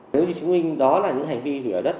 nếu như chúng mình đó là những hành vi thủy ở đất